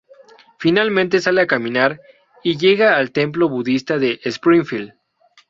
Finalmente, sale a caminar, y llega al Templo budista de Springfield.